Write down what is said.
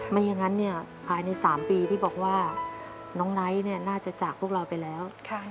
ไม่อย่างนั้นภายใน๓ปีที่บอกว่าน้องไนท์น่าจะจากพวกเราไปแล้ว